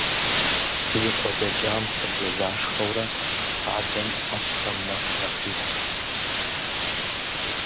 И къуэ дэкӏам хуэдзэлашхэурэ, адэм ӏэщхэм мэкъу яхуихьт.